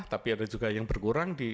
tapi ada juga yang berkurang